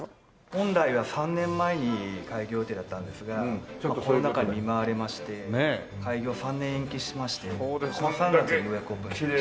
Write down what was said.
本来は３年前に開業予定だったんですがコロナ禍に見舞われまして開業を３年延期しましてこの３月にようやくオープンしました。